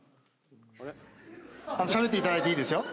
あれっ？しゃべっていただいていいですよ。